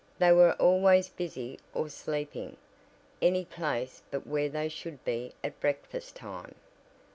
They were always busy or sleeping any place but where they should be at breakfast time.